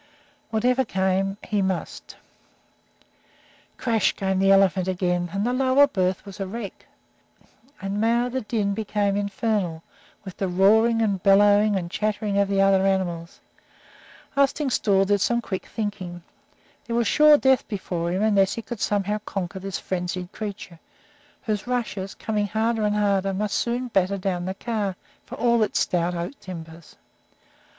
Whatever came, he must Crash! came the elephant again, and the lower berth was a wreck. And now the din became infernal with the roaring and bellowing and chattering of the other animals. Arstingstall did some quick thinking. There was sure death before him, unless he could somehow conquer this frenzied creature, whose rushes, coming harder and harder, must soon batter down the car, for all its stout oak timbers.